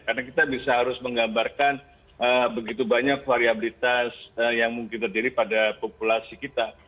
karena kita bisa harus menggambarkan begitu banyak variabilitas yang mungkin terdiri pada populasi kita